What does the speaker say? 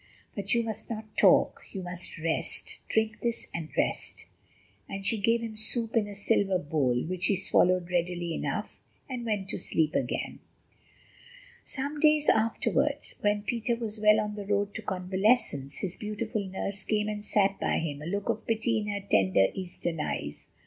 But you must not talk, you must rest. Drink this, and rest," and she gave him soup in a silver bowl, which he swallowed readily enough, and went to sleep again. Some days afterwards, when Peter was well on the road to convalescence, his beautiful nurse came and sat by him, a look of pity in her tender, Eastern eyes.